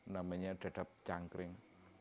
namanya dadap cangkring